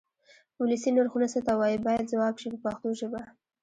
ولسي نرخونه څه ته وایي باید ځواب شي په پښتو ژبه.